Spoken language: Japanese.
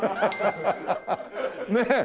ねえ？